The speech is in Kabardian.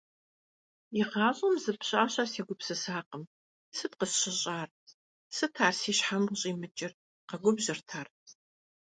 ИгъащӀэм зы пщащэ сегупсысакъым, сыт къысщыщӀар, сыт ар си щхьэм щӀимыкӀыр? - къэгубжьырт ар.